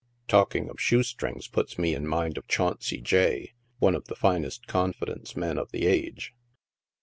Talking of shoe strings puts me in mind of Chauncey J , one of the first confidence men of the age.